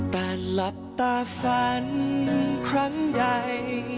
แต่หลับตาฝันครั้งใหญ่